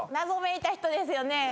謎めいた人ですよね。